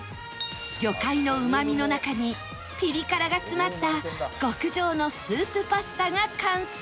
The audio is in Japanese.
魚介のうまみの中にピリ辛が詰まった極上のスープパスタが完成